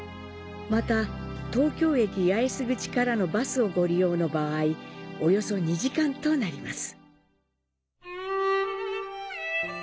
また、東京駅八重洲口からのバスをご利用の場合、約２時間となります。